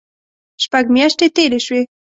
شپږ میاشتې تېرې شوې.